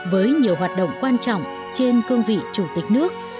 với nhiều hoạt động quan trọng trên cương vị chủ tịch nước